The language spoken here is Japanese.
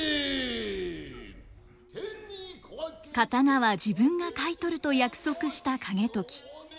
刀は自分が買い取ると約束した景時。